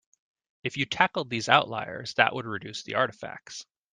If you tackled these outliers that would reduce the artifacts.